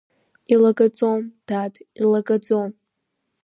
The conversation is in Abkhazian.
Илагаӡом, дад, илагаӡом!